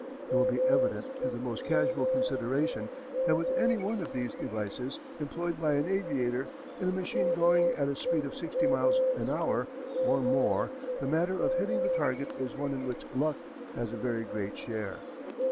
It will be evident to the most casual consideration that with any one of these devices employed by an aviator in a machine going at a speed of sixty miles an hour or more the matter of hitting the target is one in which luck has a very great share.